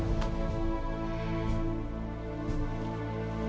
aku mau mcdengg mute